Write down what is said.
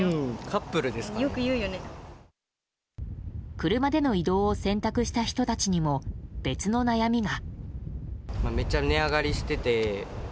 車での移動を選択した人たちにも、別の悩みが。